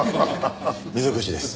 溝口です。